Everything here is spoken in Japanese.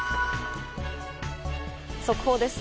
速報です。